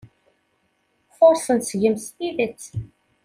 Furṣen seg-m s tidet.